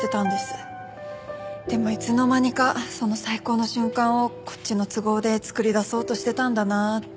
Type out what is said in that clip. でもいつの間にかその最高の瞬間をこっちの都合で作り出そうとしてたんだなって。